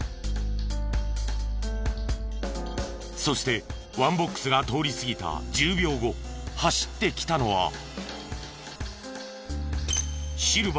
そしてワンボックスが通り過ぎた１０秒後走ってきたのは。